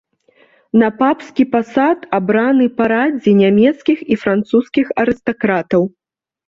На папскі пасад абраны па радзе нямецкіх і французскіх арыстакратаў.